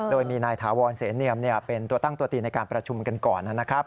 โดยมีนายถาวรเสเนียมเป็นตัวตั้งตัวตีในการประชุมกันก่อนนะครับ